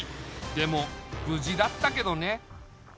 でもぶじだったけどね。